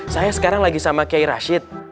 saya sekarang lagi sama kiai rashid